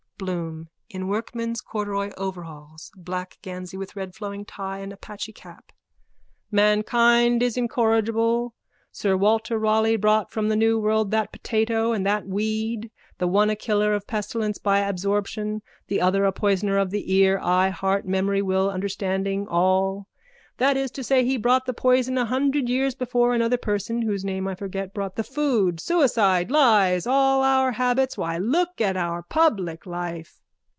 BLOOM: (In workman's corduroy overalls, black gansy with red floating tie and apache cap.) Mankind is incorrigible. Sir Walter Ralegh brought from the new world that potato and that weed, the one a killer of pestilence by absorption, the other a poisoner of the ear, eye, heart, memory, will, understanding, all. That is to say he brought the poison a hundred years before another person whose name I forget brought the food. Suicide. Lies. All our habits. Why, look at our public life!